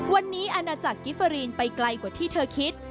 วันนี้อาณาจักรกิฟเฟอรีนไปไกลกว่าที่เธอคิด